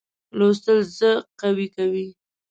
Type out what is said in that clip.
لوستل زه قوي کوي.